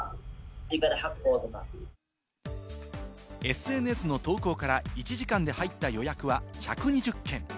ＳＮＳの投稿から１時間で入った予約は１２０件。